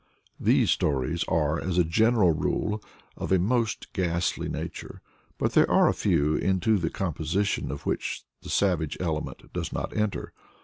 Those stories are, as a general rule, of a most ghastly nature, but there are a few into the composition of which the savage element does not enter.